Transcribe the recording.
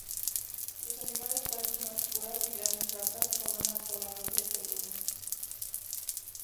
Los animales parecen oscuras y grandes ratas con una cola gruesa y peluda.